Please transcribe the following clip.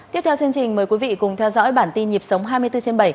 tiếp theo chương trình mời quý vị cùng theo dõi bản tin nhịp sống hai mươi bốn trên bảy